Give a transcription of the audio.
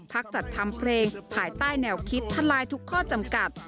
จัดทำเพลงภายใต้แนวคิดทลายทุกข้อจำกัด